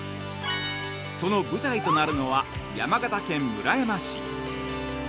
その舞台となるのは山形県村山市。